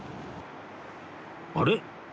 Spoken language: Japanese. あれ？